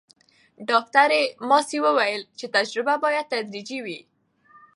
ډاکټره ماسي وویل چې تجربه باید تدریجي وي.